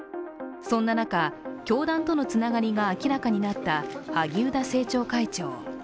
そんな中、教団とのつながりが明らかになった萩生田政調会長。